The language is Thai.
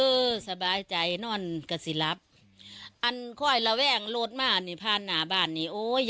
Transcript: เออสบายใจนอนก็สิรับอันค่อยละแว้งโลดมานี่พาหน้าบ้านนี่โอ้ย